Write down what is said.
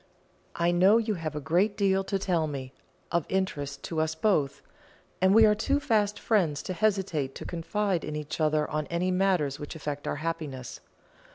I know you have a great deal to tell me, of interest to us both, and we are too fast friends to hesitate to confide in each other on any matters which affect our happiness.